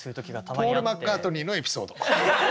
ポール・マッカートニーのエピソード。